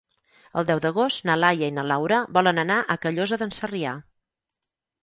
El deu d'agost na Laia i na Laura volen anar a Callosa d'en Sarrià.